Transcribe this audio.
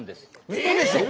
うそでしょう！？